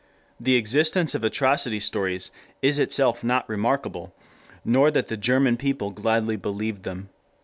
] The existence of atrocity stories is itself not remarkable, nor that the German people gladly believed them.